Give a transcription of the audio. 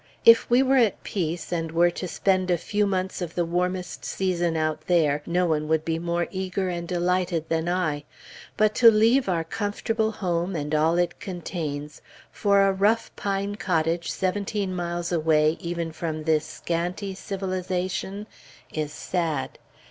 If we were at peace, and were to spend a few months of the warmest season out there, none would be more eager and delighted than I: but to leave our comfortable home, and all it contains, for a rough pine cottage seventeen miles away even from this scanty civilization, is sad.